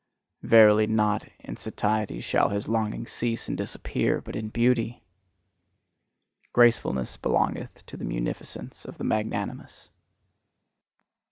Verily, not in satiety shall his longing cease and disappear, but in beauty! Gracefulness belongeth to the munificence of the magnanimous.